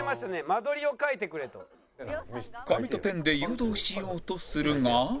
紙とペンで誘導しようとするが